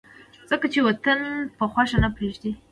ځکه چې وطن څوک پۀ خوښه نه پريږدي